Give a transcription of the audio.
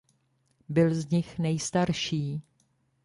Byl z nich nejstarší.